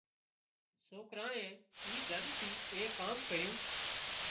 سوڪرانئي اي ڌن ٿي ايڪ ڪام ڪريون